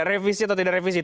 revisi atau tidak revisi